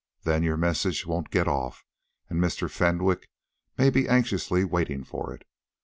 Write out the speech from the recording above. Then your message won't get off, and Mr. Fenwick may be anxiously waiting for it.